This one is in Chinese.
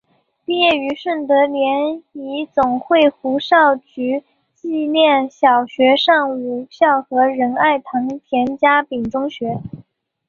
毕业于顺德联谊总会胡少渠纪念小学上午校和仁爱堂田家炳中学。